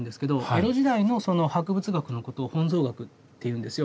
江戸時代の博物学のことを本草学っていうんですよ。